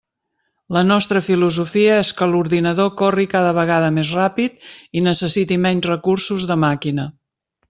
La nostra filosofia és que l'ordinador corri cada vegada més ràpid i necessiti menys recursos de màquina.